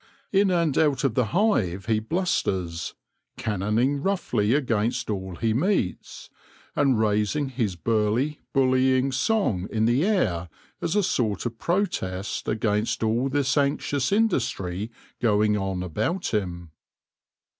In and out of the hive he blusters, cannoning roughly against all he meets, and raising his burly, bullying song in the air as a sort of protest against all this anxious industry going on about him.